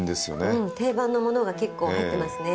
うん定番のものが結構入ってますね。